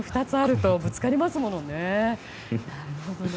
２つあるとぶつかりますもんね。